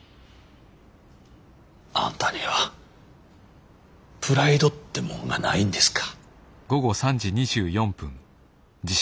あんたにはプライドってもんがないんですか。